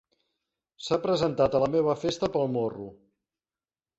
S'ha presentat a la meva festa pel morro.